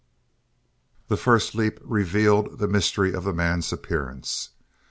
The first leap revealed the mystery of the man's appearance.